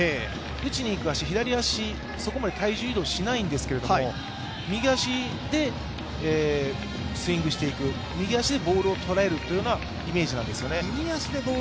打ちにいく足、左足、そこまで体重移動しないんですけれども、右足でスイングしていく、右足でボールを捉えるというイメージなんですよね。